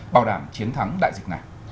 bảo đảm chiến thắng đại dịch này